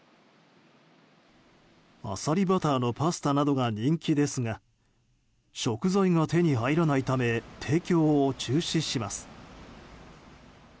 アサリバターのパスタなどが人気ですが食材が手に入らないため提供を中止します。